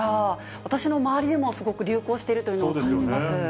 私の周りでもすごく流行しているのを感じます。